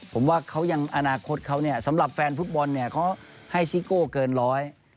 ผมว่าอาณาคตเขาสำหรับแฟนฟุตบอลเขาให้ซิโก้เกินร้อย